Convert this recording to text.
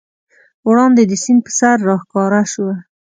وړاندې د سیند پر سر راښکاره شوه.